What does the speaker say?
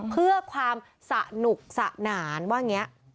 เพื่อความสนุกสนานว่าอย่างนี้